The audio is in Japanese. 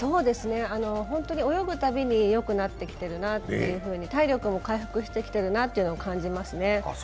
本当に泳ぐたびによくなってきているなと、体力も回復してきてるなというのを感じますね。